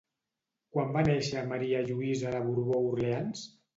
Quan va néixer Maria Lluïsa de Borbó-Orleans?